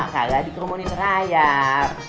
kagak dikormonin terayap